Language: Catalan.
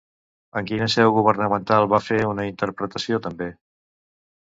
En quina seu governamental van fer una interpretació, també?